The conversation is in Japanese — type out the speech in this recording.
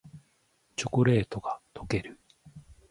チョコレートがとける